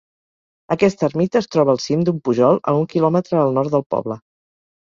Aquesta ermita es troba al cim d'un pujol a un quilòmetre al nord del poble.